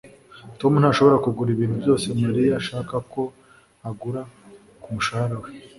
tom ntashobora kugura ibintu byose mariya ashaka ko agura kumushahara we